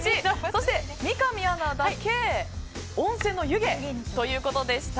そして、三上アナだけ温泉の湯気ということでした。